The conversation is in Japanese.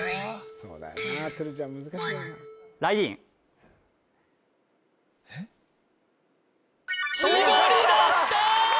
そうだよな鶴ちゃんえっ絞り出した！